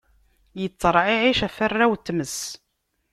Itteṛɛiɛic ɣef warraw n tmes.